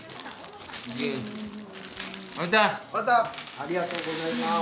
ありがとうございます。